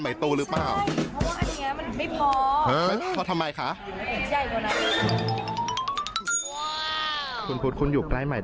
ให้เตือนสติดเองก็คือพี่ใหม่ค่ะ